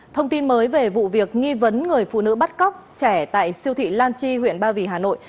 thông tin mới về vụ việc nghi vấn người phụ nữ bắt cóc trẻ tại siêu thị lan chi huyện ba vì hà nội